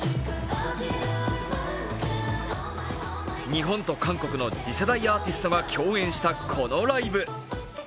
日本と韓国の次世代アーティストが共演したこのライブ。